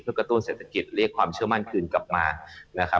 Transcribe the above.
เพื่อกระตุ้นเศรษฐกิจเรียกความเชื่อมั่นคืนกลับมานะครับ